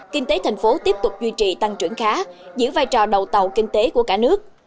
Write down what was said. kinh tế thành phố tiếp tục duy trì tăng trưởng khá giữ vai trò đầu tàu kinh tế của cả nước